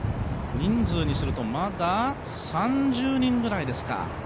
人数にするとまだ３０人ぐらいですか。